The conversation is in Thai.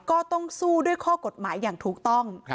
ก็ต้องสู้ด้วยข้อกฎหมายอย่างถูกต้อง